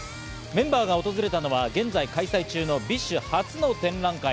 メンバーが訪れたのは、現在開催中のＢｉＳＨ初の展覧会